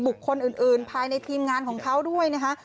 คนอื่นภายในทีมงานของเขาด้วยนะคะ